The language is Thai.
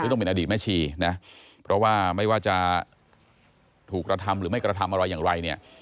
ต้องเป็นอดีตแม่ชีนะเพราะว่าไม่ว่าจะถูกกระทำหรือไม่กระทำอะไรอย่างไรเนี่ย